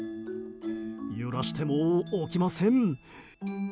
揺らしても起きません。